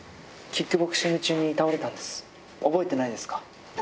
覚えてないですか？